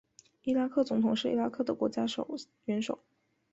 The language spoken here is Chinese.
伊拉克总统是伊拉克的国家元首。